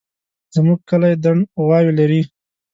زموږ کلی دڼ غواوې لري